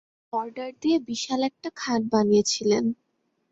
Order দিয়ে বিশাল একটা খাট বানিয়েছিলেন।